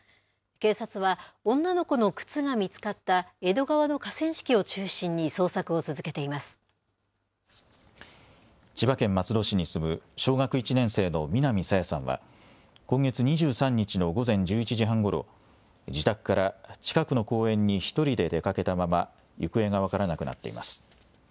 警察は、女の子の靴が見つかった江戸川の河川敷を中心に捜索を続けていま千葉県松戸市に住む小学１年生の南朝芽さんは、今月２３日の午前１１時半ごろ、自宅から近くの公園に１人で出かけたまま、行方が分からなくなっています。